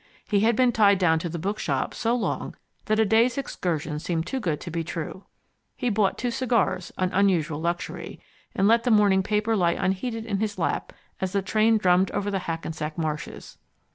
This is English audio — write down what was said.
He had been tied down to the bookshop so long that a day's excursion seemed too good to be true. He bought two cigars an unusual luxury and let the morning paper lie unheeded in his lap as the train drummed over the Hackensack marshes.